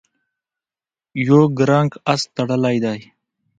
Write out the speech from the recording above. یو کرنګ آس تړلی دی.